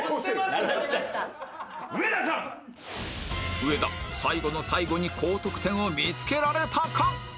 上田最後の最後に高得点を見つけられたか？